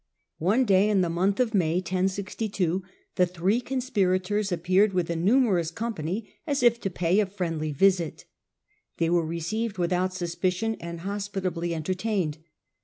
One day, in the month of May, the three conspirators appeared with a A.bd!i0tion numerous company as if to pay a friendly %i\xiftA^^ visit. They were received without suspicion and hospitably entertained.